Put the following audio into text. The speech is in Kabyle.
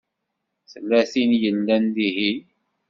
Tella tin i yellan dihin.